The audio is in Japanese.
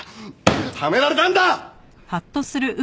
はめられたんだ！